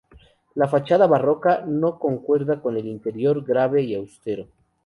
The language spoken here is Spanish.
La fachada barroca, no concuerda con el interior grave y austero.